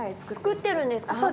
作ってるんですか？